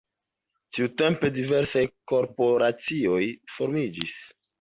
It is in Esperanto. Tiutempe diversaj korporacioj formiĝis.